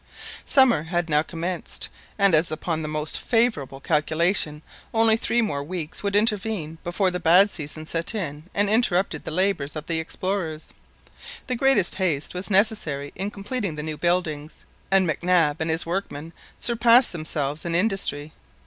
September had now commenced, and as upon the most favourable calculation only three more weeks would intervene before the bad season set in and interrupted the labours of the explorers, the greatest haste was necessary in completing the new buildings, and Mac Nab and his workmen surpassed themselves in industry.